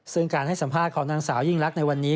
ซึ่งการให้สัมภาษณ์ของนางสาวยิ่งลักษณ์ในวันนี้